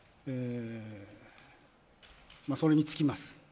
それに尽きます。